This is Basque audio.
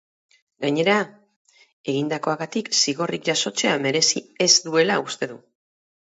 Gainera, egindakoagatik zigorrik jasotzea merezi ez duela uste du.